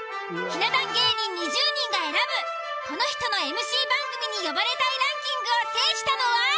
ひな壇芸人２０人が選ぶこの人のＭＣ番組に呼ばれたいランキングを制したのは？